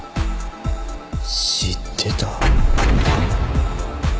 知ってた？